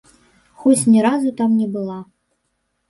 Хоць ні разу там не была.